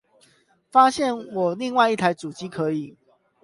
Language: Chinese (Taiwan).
發現我另一台主機可以